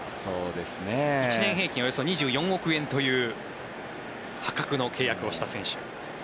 １年平均およそ２４億円という破格の契約をした選手。